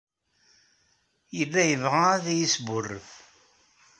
Yella yebɣa ad iyi-yesbuṛṛef.